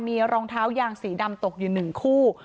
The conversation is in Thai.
มีรองเท้ายางสีดำตกอยู่๑คู่